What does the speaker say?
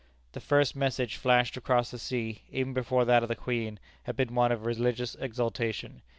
The first message flashed across the sea even before that of the Queen had been one of religious exultation.